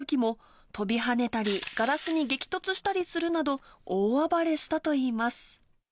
水族館の水槽に移したときも、跳びはねたり、ガラスに激突したりするなど、大暴れしたといいます。